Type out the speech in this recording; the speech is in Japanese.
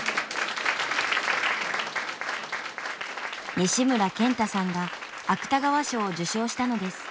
西村賢太さんが芥川賞を受賞したのです。